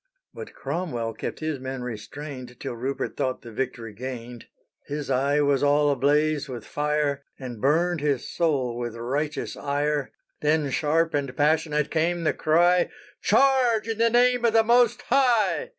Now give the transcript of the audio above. But Cromwell kept his men restrained Till Rupert thought the victory gained. His eye was all ablaze with fire, And burned his soul with righteous ire; Then sharp and passionate came the cry, "_Charge, in the name of the Most High!